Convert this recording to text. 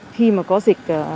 khi mà có dịch